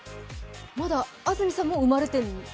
まだ安住さんも生まれてない？